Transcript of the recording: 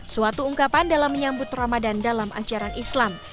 suatu ungkapan dalam menyambut ramadan dalam ajaran islam